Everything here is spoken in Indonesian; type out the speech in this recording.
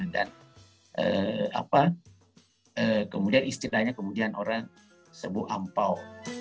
dan kemudian istilahnya kemudian orang sebut ampau